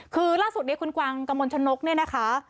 คือล่าสุดนี้คุณกวางกระมวลชนกเนี่ยนะคะ